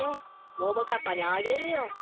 ももかっぱにあげるよ。